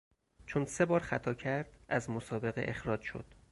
چون سه بار خطا کرد از مسابقه اخراج شد.